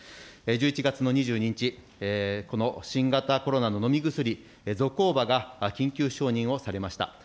１１月の２２日、新型コロナの飲み薬、ゾコーバが緊急承認をされました。